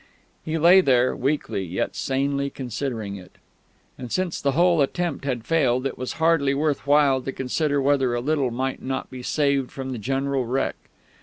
He lay there, weakly yet sanely considering it.... And since the whole attempt had failed, it was hardly worth while to consider whether a little might not be saved from the general wreck.